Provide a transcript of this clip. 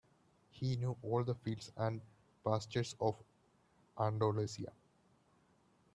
He knew all the fields and pastures of Andalusia.